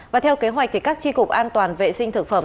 và theo kế hoạch thì các tri cục an toàn vệ sinh thực phẩm